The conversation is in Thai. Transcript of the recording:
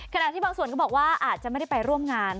ขณะที่บางส่วนก็บอกว่าอาจจะไม่ได้ไปร่วมงาน